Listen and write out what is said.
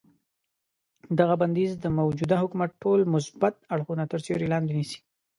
دغه بندیز د موجوده حکومت ټول مثبت اړخونه تر سیوري لاندې نیسي.